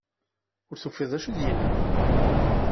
Ur tufiḍ d acu i d-yenna.